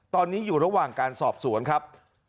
ตอนนี้อยู่ระหว่างการสอบสวนครับ